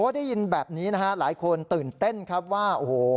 ได้ยินแบบนี้นะครับหลายคนตื่นเต้นครับว่า